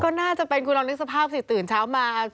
ก็น่าจะเป็นคุณลองนึกสภาพสิตื่นเช้ามา